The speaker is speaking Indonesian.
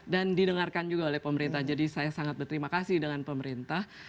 dan didengarkan juga oleh pemerintah jadi saya sangat berterima kasih dengan pemerintah